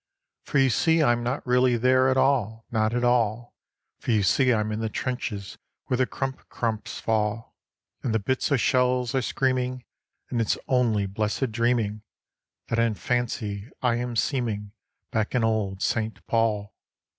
For you see I am not really there at all, not at all; For you see I'm in the trenches where the crump crumps fall; And the bits o' shells are screaming and it's only blessed dreaming That in fancy I am seeming back in old Saint Pol.